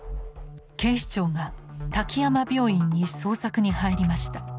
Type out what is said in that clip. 警視庁が滝山病院に捜索に入りました。